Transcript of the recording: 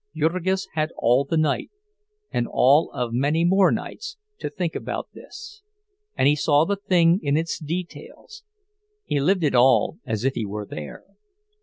Jurgis had all the night—and all of many more nights—to think about this, and he saw the thing in its details; he lived it all, as if he were there.